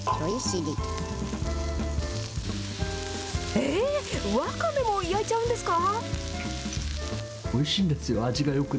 えー、ワカメも焼いちゃうんですか。